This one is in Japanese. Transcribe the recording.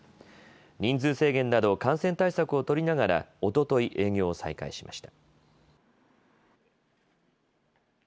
人数制限など感染対策を取りながら、おととい営業を再開しました。